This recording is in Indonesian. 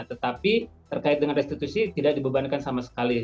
tetapi terkait dengan restitusi tidak dibebankan sama sekali